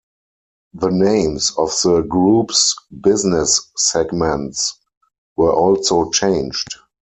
The names of the Group's business segments were also changed.